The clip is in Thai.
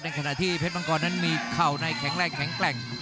ขณะที่เพชรมังกรนั้นมีเข่าในแข็งแรงแข็งแกร่ง